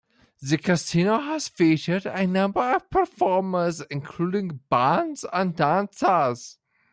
The casino has featured a number of performers, including bands and dancers.